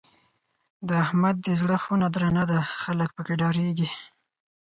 د احمد دی زړه خونه درنه ده؛ خلګ په کې ډارېږي.